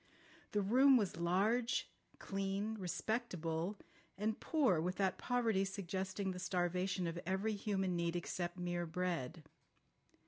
The room was large, clean, respectable, and poor with that poverty suggesting the starvation of every human need except mere bread.